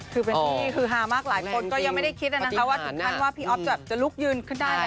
คือเป็นที่ฮามากหลายคนก็ยังไม่ได้คิดว่าพี่อ๊อฟจะลุกยืนขึ้นได้แล้ว